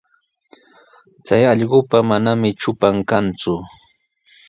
Chay allqupa manami trupan kanku.